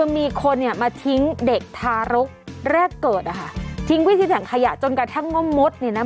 มีคนเนี่ยมาทิ้งเด็กทารกแรกเกิดนะคะทิ้งไว้ที่ถังขยะจนกระทั่งว่ามดเนี่ยนะ